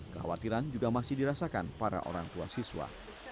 kekhawatiran juga masih dirasakan para orang tua siswa